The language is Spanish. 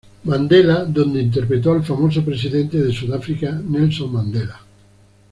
Mandela", donde interpretó al famoso presidente de Sudáfrica Nelson Mandela.